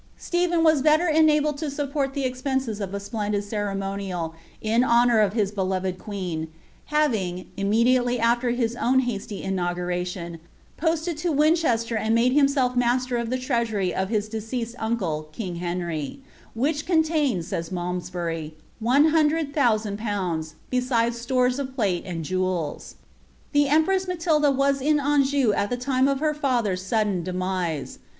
Stephen was better enabled to support the ex|>ense9 of a splendid cerenioniol in honour of his beloved queen, having, immediately >ft*t his own hasty tnaugumiion, posted to Wiiichesier and itiadc fatoiMlf master of the treasurj' of his dereosetl uncle king Heni^ ; which eo* tained, says Malmshury, ^ one hundred thousand pounds, besides Hon of plate and jewels." Tlie empress Matilda was in Anjou at the time of her father's twUtt demise.